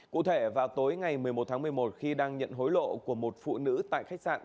cụ thể vào tối ngày một mươi một tháng một mươi một khi đang nhận hối lộ của một phụ nữ tại khách sạn